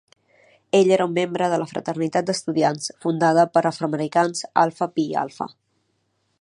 Ell era un membre de la fraternitat d'estudiants fundada per afroamericans Alpha Phi Alpha.